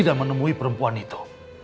dan menemui perempuan itu